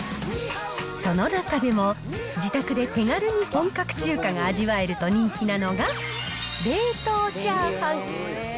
その中でも、自宅で手軽に本格中華が味わえると人気なのが、冷凍チャーハン。